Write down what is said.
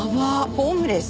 ホームレス？